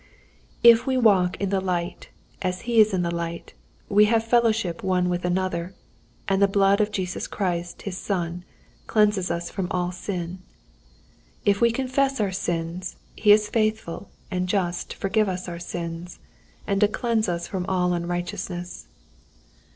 "'If we walk in the light, as He is in the light, we have fellowship one with another, and the blood of Jesus Christ His Son cleanseth us from all sin.... If we confess our sins, He is faithful and just to forgive us our sins, and to cleanse us from all unrighteousness.'